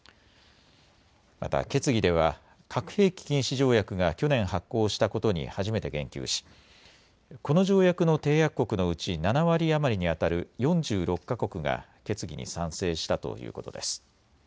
また決議では核兵器禁止条約が去年発効したことに初めて言及しこの条約の締約国のうち７割余りにあたる４６か国が決議に賛成したということです。